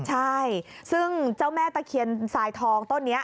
ใช่ซึ่งเจ้าแม่ตะเคียนสายทองต้นนี้